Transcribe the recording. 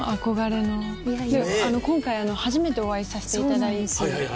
今回初めてお会いさせていただいて。